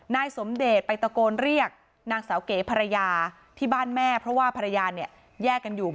นายสมเดชไปตะโกนเรียกนางสาวเก๋ภรรยาที่บ้านแม่เพราะว่าภรรยาเนี่ยแยกกันอยู่